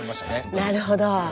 なるほど。